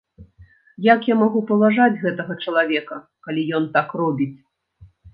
Як я магу паважаць гэтага чалавека, калі ён так робіць?